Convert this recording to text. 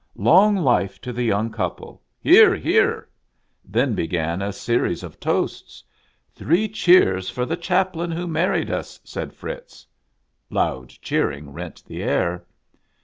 " Long life to the young couple !"" Hear ! hear !" Then began a series of toasts. " Three cheers for the chaplain who married us !" said Fritz. Loud cheering rent the air.